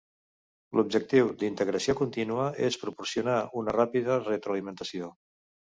L'objectiu d'integració contínua és proporcionar una ràpida retroalimentació.